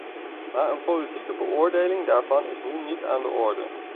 Maar een politieke beoordeling daarvan is nu niet aan de orde.